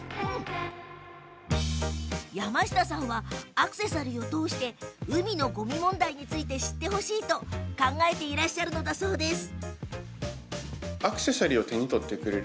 山下さんはアクセサリーを通して海のごみ問題について知ってほしいと考えていらっしゃるのだそうです。